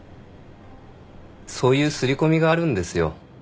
そういう刷り込みがあるんですよ。